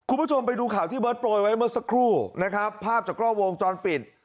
คุณผู้ชมไปดูข่าวที่เบิร์ตโปรยไว้เมื่อสักครู่นะครับภาพจากกล้อวงจรปิด